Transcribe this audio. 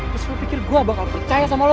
terus lo pikir gua bakal percaya sama lo